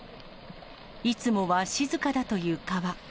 いつもは静かだという川。